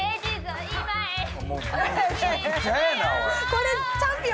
これ。